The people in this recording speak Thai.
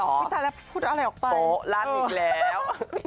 โอ๊ยลาดอีกแล้ว